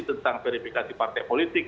tentang verifikasi partai politik